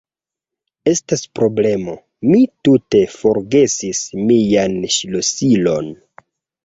Estas problemo: mi tute forgesis mian ŝlosilon.